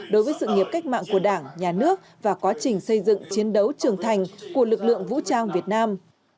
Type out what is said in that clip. đối với sự nghiệp cách mạng của đảng nhà nước và quá trình xây dựng chiến đấu trưởng thành của lực lượng vũ trang việt nam